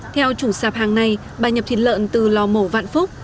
theo chủ sạp hàng này bà nhập thịt lợn từ lò mổ vạn phúc